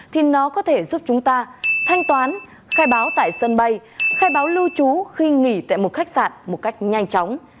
thì nó có thể giúp chúng ta thanh toán khai báo tại sân bay khai báo lưu trú khi nghỉ tại một khách sạn một cách nhanh chóng